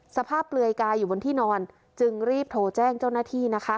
เปลือยกายอยู่บนที่นอนจึงรีบโทรแจ้งเจ้าหน้าที่นะคะ